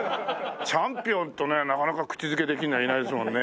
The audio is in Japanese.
チャンピオンとねなかなか口づけできるのはいないですもんね。